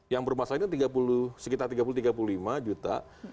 yang bermasalah itu sekitar tiga puluh tiga puluh lima juta